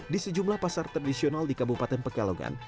di sejumlah pasar tradisional di kabupaten pekalongan